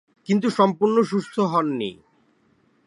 কিন্তু সম্পূর্ণ সুস্থ হননি।